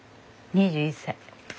２１歳。